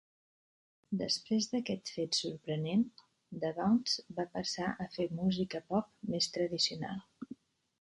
Després d'aquest fet sorprenent, The Bounce va passar a fer música pop més tradicional.